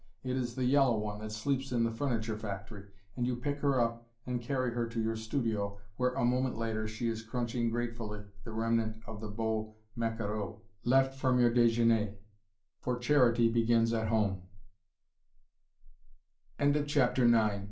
It is the yellow one that sleeps in the furniture factory, and you pick her up and carry her to your studio, where, a moment later, she is crunching gratefully the remnant of the beau maquereau left from your déjeuner for charity begins